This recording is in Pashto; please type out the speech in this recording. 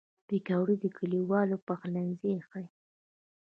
پکورې د کلیوالو پخلنځی ښيي